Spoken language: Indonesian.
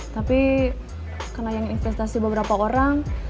tapi karena yang investasi beberapa orang